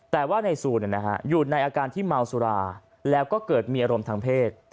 แต่ว่าในซูอยู่ในอาการที่เมาสุราแล้วก็เกิดมีอารมณ์ทางเพศ